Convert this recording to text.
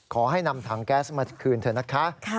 ขอให้นำถังแก๊สมาคืนเถอะนะคะ